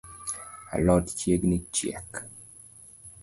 A lot chiegni chiek